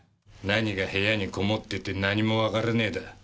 何が部屋にこもってて何もわからねえだ。